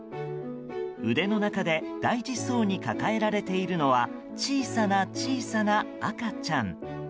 腕の中で大事そうに抱えられているのは小さな小さな赤ちゃん。